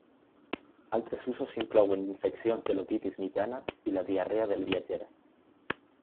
Altres usos inclouen infeccions de l'otitis mitjana i la diarrea del viatger.